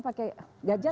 pakai gadget kan